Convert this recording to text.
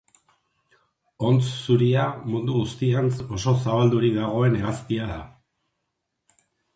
Hontz zuria mundu guztian oso zabaldurik dagoen hegaztia da.